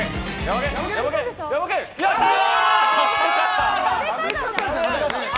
やったー！